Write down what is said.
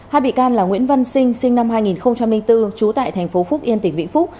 hai bị can là nguyễn văn sinh sinh năm hai nghìn bốn trú tại thành phố phúc yên tỉnh vĩnh phúc